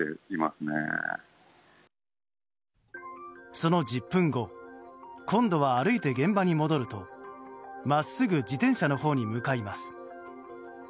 その１０分後今度は歩いて現場に戻ると真っすぐ自転車のほうに向かいます。